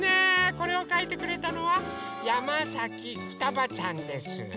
これをかいてくれたのはやまさきふたばちゃんです。